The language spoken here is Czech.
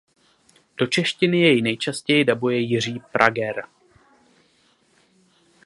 Do češtiny jej nejčastěji dabuje Jiří Prager.